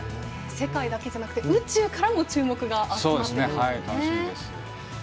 世界だけじゃなくて宇宙からも注目が楽しみです。